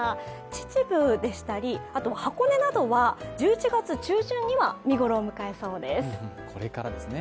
秩父でしたら箱根などは１１月中旬には見頃を迎えそうです。